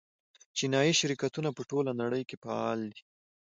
چیني شرکتونه په ټوله نړۍ کې فعال دي.